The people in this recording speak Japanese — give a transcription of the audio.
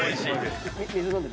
水飲んで。